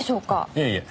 いえいえ。